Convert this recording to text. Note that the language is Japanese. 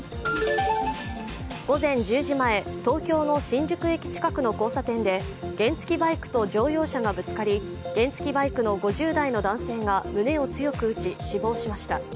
午前１０時前、東京の新宿駅近くの交差点で、原付バイクと乗用車がぶつかり原付バイクの５０代の男性が胸を強く打ち死亡しました。